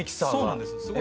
そうなんです。